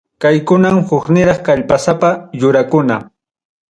Kaykunam hukniraq kallpasapa yurakuna.